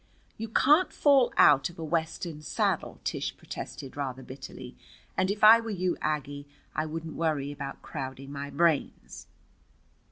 "You can't fall out of a Western saddle," Tish protested rather bitterly. "And if I were you, Aggie, I wouldn't worry about crowding my brains."